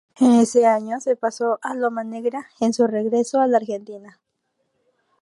En ese año se pasó al Loma Negra, en su regreso a la Argentina.